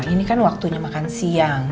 ini kan waktunya makan siang